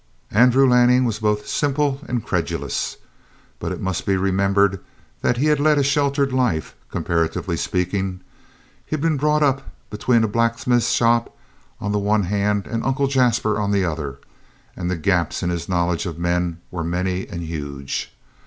Andrew Lanning was both simple and credulous; but it must be remembered that he had led a sheltered life, comparatively speaking; he had been brought up between a blacksmith shop on the one hand and Uncle Jasper on the other, and the gaps in his knowledge of men were many and huge.